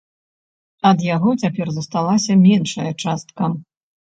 Ад яго цяпер засталася меншая частка.